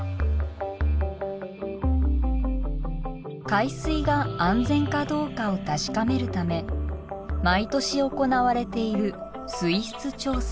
海水が安全かどうかを確かめるため毎年行われている水質調査。